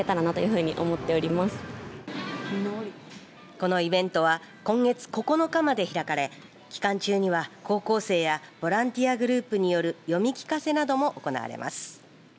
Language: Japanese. このイベントは今月９日まで開かれ期間中には高校生やボランティアグループによる読み聞かせなども行われます。